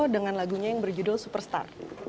dengan lagunya yang berjudul superstar